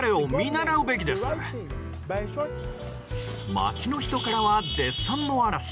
町の人からは絶賛の嵐。